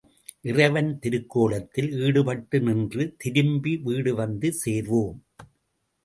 இறைவன் திருக்கோலத்தில் ஈடுபட்டு நின்று திரும்பி வீடு வந்து சேர்வோம்.